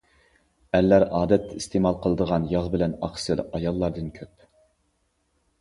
ئەرلەر ئادەتتە ئىستېمال قىلىدىغان ياغ بىلەن ئاقسىل ئاياللاردىن كۆپ.